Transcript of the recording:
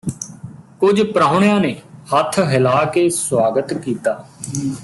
ਕੁਝ ਪ੍ਰਾਹੁਣਿਆਂ ਨੇ ਹੱਥ ਹਿਲਾ ਕੇ ਸੁਆਗਤ ਕੀਤਾ